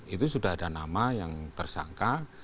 itu sudah ada nama yang tersangka